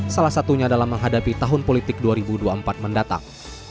salah satunya dalam menghadapi tahun politik dua ribu dua puluh empat mendatang